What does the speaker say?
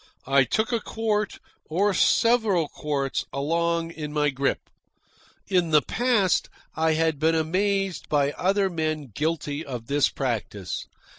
I took a quart, or several quarts, along in my grip. In the past I had been amazed by other men guilty of this practice.